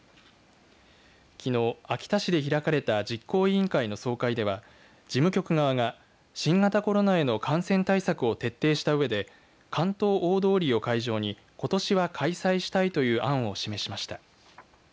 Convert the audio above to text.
きのう秋田市で開かれた実行委員会の総会では事務局側が新型コロナへの感染対策を徹底したうえで竿燈大通りを会場にことしは開催したいという案を示しました。